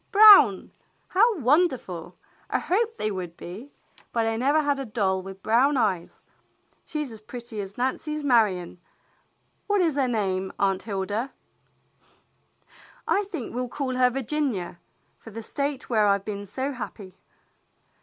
Brown! How wonderful ! I hoped they would be, but I never had a doll with brown eyes. She's as pretty as Nancy's Marion. What is her name, Aunt Hilda?" "I think we'll call her Virginia, for the State where I've been so happy."